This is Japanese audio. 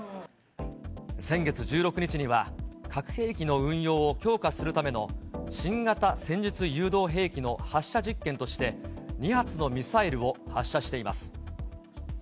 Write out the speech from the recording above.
先月１６日には、核兵器の運用を強化するための新型戦術誘導兵器の発射実験として、２発のミサイルを発射しています。